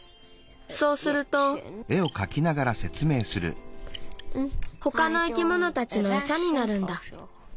そうするとほかの生き物たちのエサになるんだ。